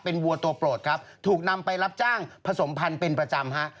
วัวตัวโปรดครับถูกนำไปรับจ้างผสมพันธุ์เป็นประจำฮะ